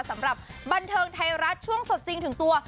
สำหรับบันเทิงไทยรัฐช่วงสดจริงถึงตัว